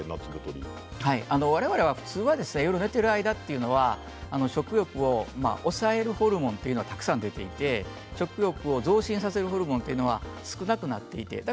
我々は普通は夜寝ている間は、食欲を抑えるホルモンがたくさん出ていて食欲増進ホルモンが少なくなっているんです。